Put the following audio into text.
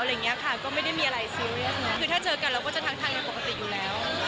จะทางนี้ปกติอยู่แล้ว